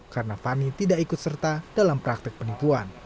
karena fani tidak ikut serta dalam praktek penipuan